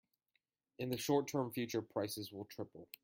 In the short term future, prices will triple.